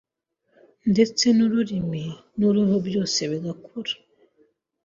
ndetse n’ururimi n’uruhu byose bigakura.